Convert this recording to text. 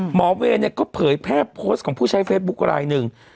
เวย์เนี่ยก็เผยแพร่โพสต์ของผู้ใช้เฟซบุ๊คลายหนึ่ง